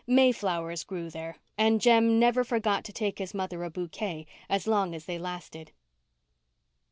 Mayflowers grew there and Jem never forgot to take his mother a bouquet as long as they lasted.